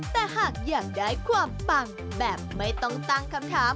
แต่หากอยากได้ความปังแบบไม่ต้องตั้งคำถาม